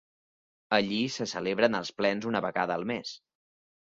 Allí se celebren els plens una vegada al mes.